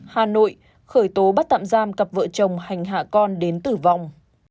hà nội khởi tố bắt tạm giam cặp vợ chồng hành hạ con đến tử vong